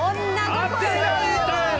「当てられたやろ！」